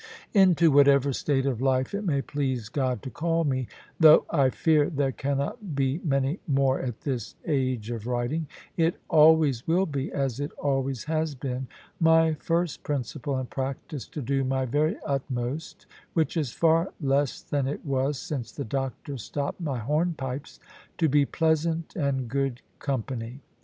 Into whatever state of life it may please God to call me though I fear there cannot be many more at this age of writing it always will be, as it always has been, my first principle and practice to do my very utmost (which is far less than it was, since the doctor stopped my hornpipes) to be pleasant and good company.